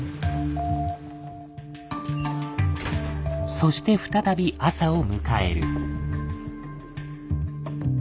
そして再び朝を迎える。